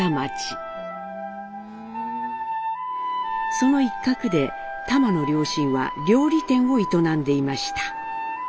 その一角でタマの両親は料理店を営んでいました。